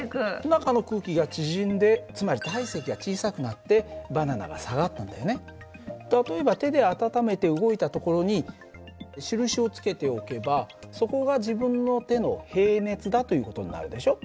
中の空気が縮んでつまり例えば手で温めて動いたところに印をつけておけばそこが自分の手の平熱だという事になるでしょ。